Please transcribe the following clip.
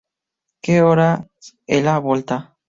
Que Horas Ela Volta?